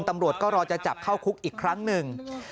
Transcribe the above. ตำรวจก็รอจะจับเข้าคุกอีกครั้งหนึ่ง